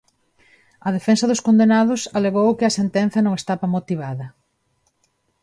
A defensa dos condenados alegou que a sentenza non estaba motivada.